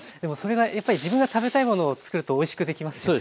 やっぱり自分が食べたいものをつくるとおいしくできますよね。